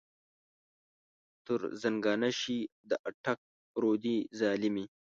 تر زنګانه شې د اټک رودې ظالمې.